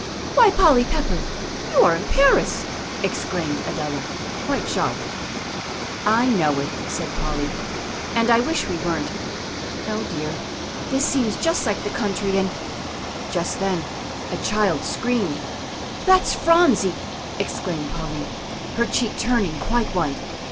"Why, Polly Pepper! You are in Paris!" exclaimed Adela, quite shocked. "I know it," said Polly, "and I wish we weren't. O dear! this seems just like the country, and " Just then a child screamed. "That's Phronsie!" exclaimed Polly, her cheek turning quite white.